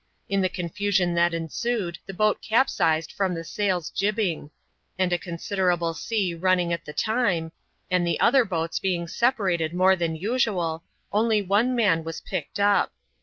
In the confusion that ensued, the boat capsized from the sail's ^'jibing ;" and a considerable sea running at the time, and the other boats being separated more than usual, only one man was picked up.